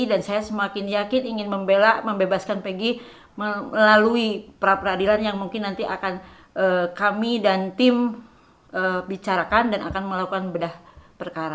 dan saya semakin yakin ingin membelak membebaskan peggy melalui pra peradilan yang mungkin nanti akan kami dan tim bicarakan dan akan melakukan bedah perkara